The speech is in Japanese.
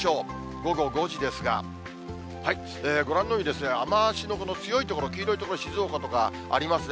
午後５時ですが、ご覧のように雨足の強い所、黄色い所、静岡とかありますよね。